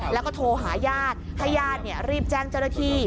แล้วก็โทรหาญาติให้ญาติรีบแจ้งเจ้าหน้าที่